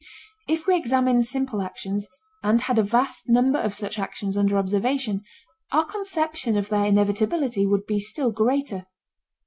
If we examined simple actions and had a vast number of such actions under observation, our conception of their inevitability would be still greater.